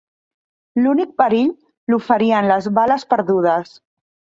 L'únic perill, l'oferien les bales perdudes